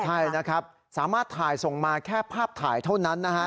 ใช่นะครับสามารถถ่ายส่งมาแค่ภาพถ่ายเท่านั้นนะฮะ